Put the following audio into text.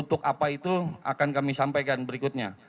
untuk apa itu akan kami sampaikan berikutnya